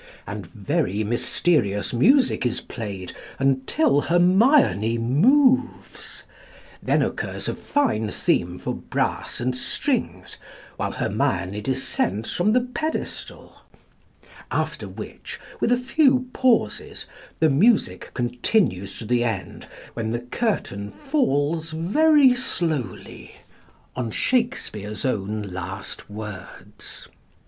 and very mysterious music is played until Hermione moves; then occurs a fine theme for brass and strings, while Hermione descends from the pedestal; after which, with a few pauses, the music continues to the end, when the curtain falls very slowly on Shakespeare's own last words.